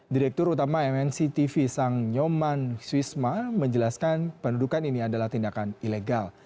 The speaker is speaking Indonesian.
direktur utama mnctv sang nyoman swisma menjelaskan pendudukan ini adalah tindakan ilegal